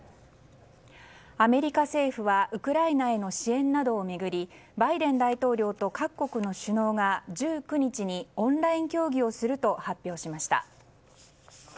アメリカ政府はウクライナへの支援などを巡りバイデン大統領と各国の首脳が１９日にオンライン協議をすると発表しました。